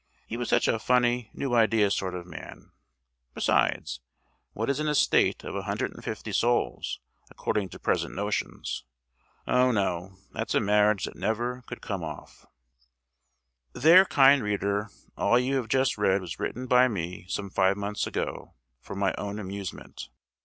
He was such a funny, new idea sort of man. Besides, what is an estate of a hundred and fifty souls, according to present notions? Oh, no; that's a marriage that never could come off. ‐‐‐‐‐‐‐‐‐‐‐‐‐‐‐‐‐‐‐‐‐‐‐‐‐‐‐‐‐‐‐‐‐‐‐‐‐ There, kind reader, all you have just read was written by me some five months ago, for my own amusement.